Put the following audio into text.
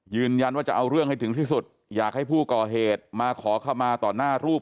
ยืนยันว่าจะเอาเรื่องให้ถึงที่สุดอยากให้ผู้ก่อเหตุมาขอเข้ามาต่อหน้ารูป